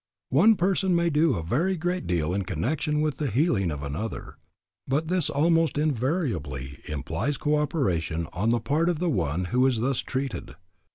One person may do a very great deal in connection with the healing of another, but this almost invariably implies co operation on the part of the one who is thus treated.